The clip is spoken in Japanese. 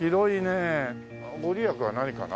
御利益は何かな？